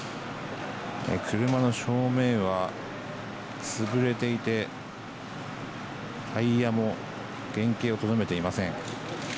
車の正面は潰れていて、タイヤも原形をとどめていません。